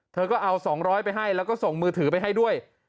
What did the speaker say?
เธอก็เอา๒๐๐ไปให้แล้วก็ส่งมือถือไปให้ด้วย